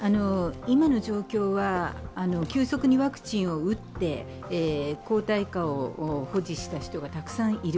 今の状況は、急速にワクチンを打って、抗体価を保持した人がたくさんいる。